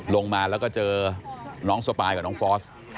ลงมาแล้วก็เจอน้องสปายกับน้องฟอส